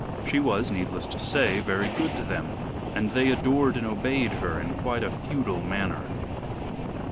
She was needless to say very good to them, and they adored and obeyed her in quite a feudal manner.